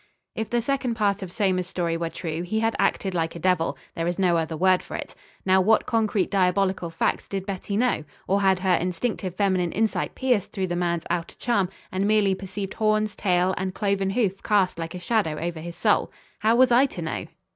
If the second part of Somers's story were true, he had acted like a devil. There is no other word for it. Now, what concrete diabolical facts did Betty know? Or had her instinctive feminine insight pierced through the man's outer charm and merely perceived horns, tail, and cloven hoof cast like a shadow over his soul? How was I to know?